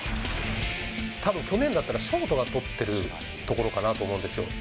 たぶん、去年だったら、ショートが捕っているところかなと思うんですよ。